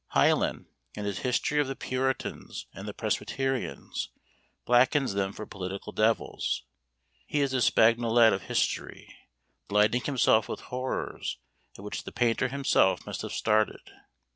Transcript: Heylin, in his history of the Puritans and the Presbyterians, blackens them for political devils. He is the Spagnolet of history, delighting himself with horrors at which the painter himself must have started.